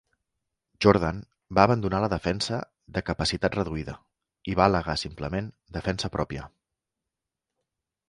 Jordan va abandonar la defensa de "capacitat reduïda", i va al·legar simplement defensa pròpia.